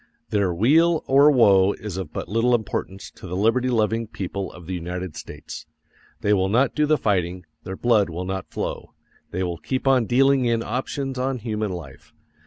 Their weal or woe is of but little importance to the liberty loving people of the United States. They will not do the fighting; their blood will not flow; they will keep on dealing in options on human life.